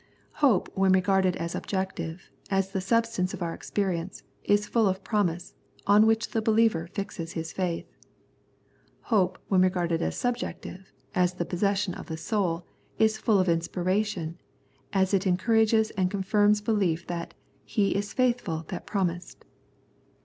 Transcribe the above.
Hope when regarded as objective, as the substance of our experience, is full of promise, on which the behever fixes his faith. Hope when regarded as subjective, as the possession of the soul, is full of inspiration, as it en courages and confirms belief that " He is faithful that promised."